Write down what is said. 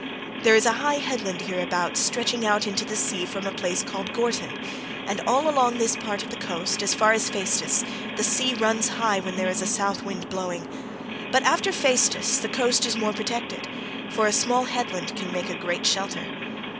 There is a high headland hereabouts stretching out into the sea from a place called Gortyn, and all along this part of the coast as far as Phaestus the sea runs high when there is a south wind blowing, but after Phaestus the coast is more protected, for a small headland can make a great shelter.